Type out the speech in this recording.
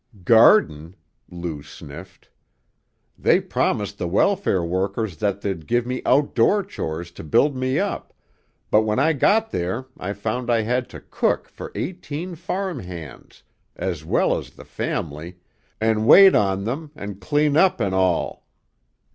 "Garden!" Lou sniffed. "They promised the welfare workers that they'd give me outdoor chores to build me up, but when I got there I found I had to cook for eighteen farm hands, as well as the family, an' wait on them, an' clean up an' all.